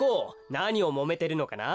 なにをもめてるのかな？